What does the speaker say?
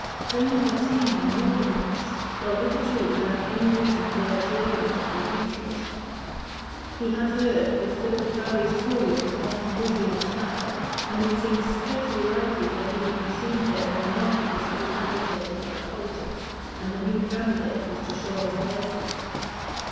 Jermyn had seen him more than once, though hitherto without any reason for observing him with interest; he had heard that Philip Debarry's courier was often busy in the town, and it seemed specially likely that he would be seen there when the market was to be agitated by politics, and the new candidate was to show his paces.